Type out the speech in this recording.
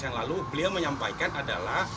yang lalu beliau menyampaikan adalah